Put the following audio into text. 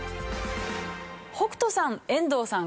北斗さん遠藤さん